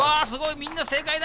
みんな正解だ。